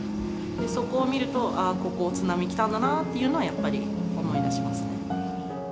そこを見ると、ああ、ここ津波来たんだなというのをやっぱり思い出しますね。